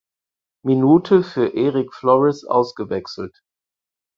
Minute für Erick Flores ausgewechselt.